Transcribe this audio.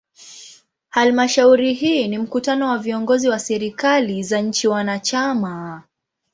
Halmashauri hii ni mkutano wa viongozi wa serikali za nchi wanachama.